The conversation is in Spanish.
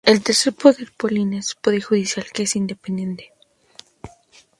El tercer poder en Polonia es el poder judicial, que es independiente.